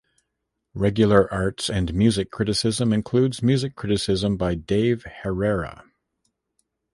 Regular arts and music criticism includes music criticism by Dave Herrera.